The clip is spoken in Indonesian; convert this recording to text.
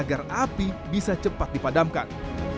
agar api bisa cepat dipadamkan